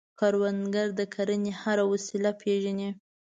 کروندګر د کرنې هره وسیله پېژني